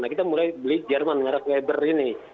nah kita mulai beli jerman merek webber ini